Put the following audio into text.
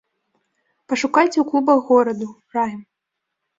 Пашукайце ў клубах гораду, раім.